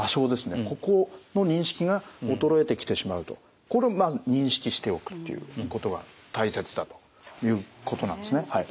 ここの認識が衰えてきてしまうとこれをまあ認識しておくということが大切だということなんですねはい。